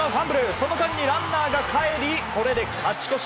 その間にランナーがかえりこれで勝ち越し。